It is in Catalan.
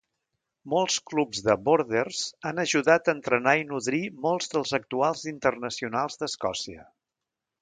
Molts clubs de Borders han ajudat a entrenar i nodrir molts dels actuals internacionals d'Escòcia.